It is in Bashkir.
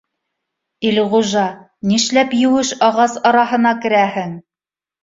— Илғужа, нишләп еүеш ағас араһына керәһең?